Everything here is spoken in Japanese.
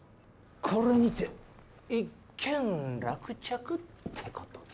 これにて一件落着ってことで。